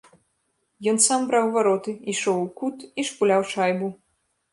Ён сам браў вароты, ішоў у кут і шпуляў шайбу.